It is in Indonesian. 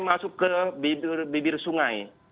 masuk ke bibir sungai